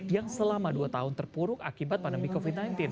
yang selama dua tahun terpuruk akibat pandemi covid sembilan belas